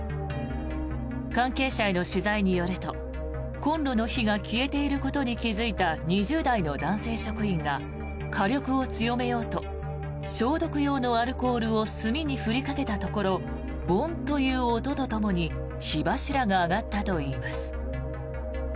関係者への取材によるとコンロの火が消えていることに気付いた２０代の男性職員が火力を強めようと消毒用のアルコールを炭に振りかけたところボンという音とともに火柱が上がったといいます。